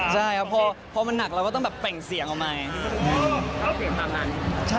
ใช่ครับพอมันหนักเราก็ต้องแบบเปล่งเสียงออกมา